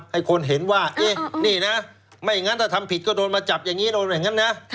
ให้คนเห็นว่าเอ๊ะนี่นะไม่งั้นถ้าทำผิดก็โดนมาจับอย่างนี้โดนอย่างนั้นนะ